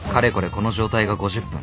この状態が５０分。